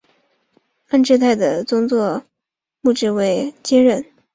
安治泰的宗座代牧职位由韩宁镐接任。